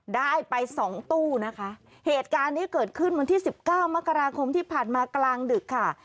ได้ไปสองตู้นะคะเหตุการณ์นี้เกิดขึ้นวันที่สิบเก้ามกราคมที่ผ่านมากลางดึกค่ะ